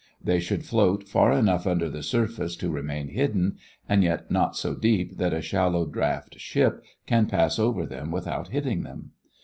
They should float far enough under the surface to remain hidden and yet not so deep that a shallow draft ship can pass over them without hitting them.